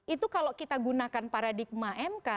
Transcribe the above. itu kalau kita gunakan paradigma mk